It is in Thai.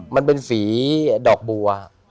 มันเป็นสีดอกบัว